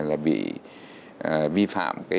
là bị vi phạm